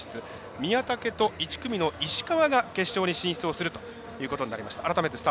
宮武と１組の石川が決勝に進出するということになりました。